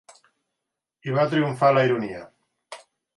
i va triomfar la ironia…